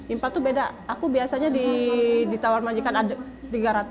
impact tuh beda aku biasanya di tawar majikan ada tiga ratus